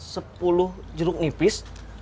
sepuluh jeruk nipis